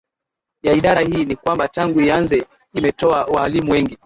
ya Idara hii ni kwamba tangu ianze Imetoa waalimu wengi